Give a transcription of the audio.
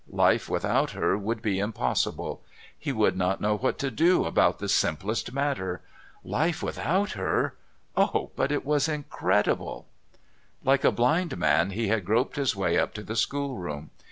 Life without her would be impossible; he would not know what to do about the simplest matter. Life without her...oh! but it was incredible! Like a blind man he had groped his way up to the schoolroom.